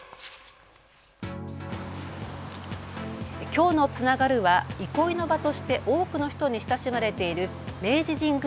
きょうのつながるは憩いの場として多くの人に親しまれている明治神宮